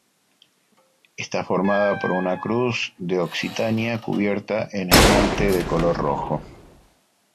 Está formada por una Cruz de Occitania cubierta en esmalte de color rojo.